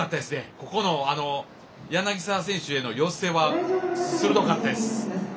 ここの柳澤選手への寄せは鋭かったです。